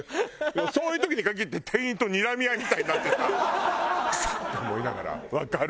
そういう時に限って店員とにらみ合いみたいになってさクソッ！と思いながらわかる。